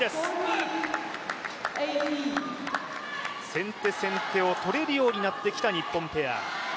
先手先手を取れるようになってきた日本ペア。